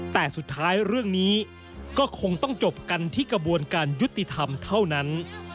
แต่สุดท้ายเรื่องนี้ก็คงต้องจบกันที่กระบวนการยุติธรรมเท่านั้น